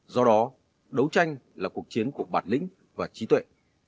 do đó đấu tranh là cuộc chiến của bản lĩnh và trí tuệ